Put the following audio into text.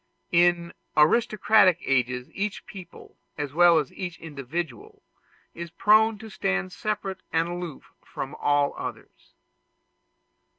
In aristocratic ages each people, as well as each individual, is prone to stand separate and aloof from all others.